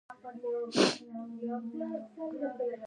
څه چې نن کوې، سبا به یې پایله ووینې.